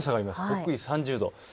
北緯３０度。